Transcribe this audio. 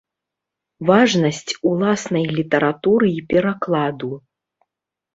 Важнасць уласнай літаратуры і перакладу.